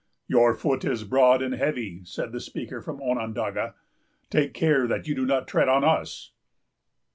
"Your foot is broad and heavy," said the speaker from Onondaga; "take care that you do not tread on us."